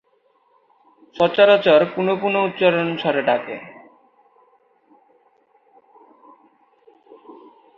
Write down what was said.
সচরাচর পুনঃ পুনঃ উচ্চ স্বরে ডাকে।